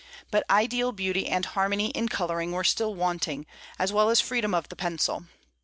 But ideal beauty and harmony in coloring were still wanting, as well as freedom of the pencil.